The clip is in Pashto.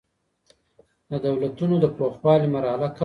د دولتونو د پوخوالي مرحله کله راځي؟